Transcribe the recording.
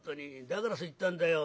だからそう言ったんだよ。